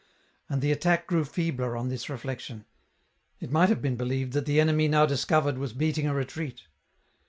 And the attack grew feebler, on this reflection ; it might have been believed that the enemy now discovered was beating a retreat.